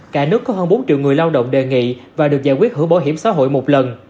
cả nước có hơn bốn triệu người lao động đề nghị và được giải quyết hưởng bảo hiểm xã hội một lần